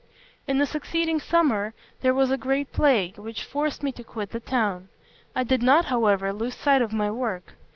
"In the succeeding summer there was a great plague, which forced me to quit the town. I did not, however, lose sight of my work.